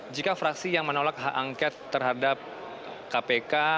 jika fraksi yang menolak hak angket terhadap kpk